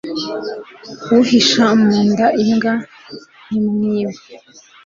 uhisha mu nda imbwa ntimwiba